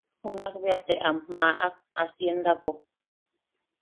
Junak bea te am maʼak haciendapo.